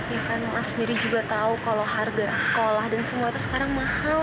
ya kan mas sendiri juga tahu kalau harga sekolah dan semua itu sekarang mahal